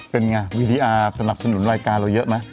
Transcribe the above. เป็นไงวีดีอาร์สนับสนุนรายการเราเยอะไหม